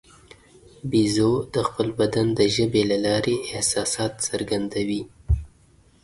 بیزو د خپل بدن د ژبې له لارې احساسات څرګندوي.